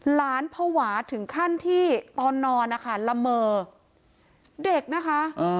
หลานภาวะถึงขั้นที่ตอนนอนนะคะละเมอเด็กนะคะ